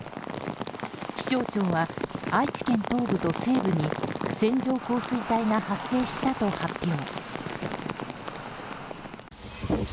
気象庁は、愛知県東部と西部に線状降水帯が発生したと発表。